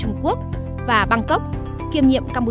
hai nước đều có vấn đề vấn đề chiến đấu